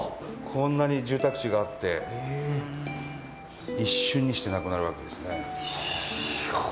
こんなに住宅地があって一瞬にしてなくなるわけですね。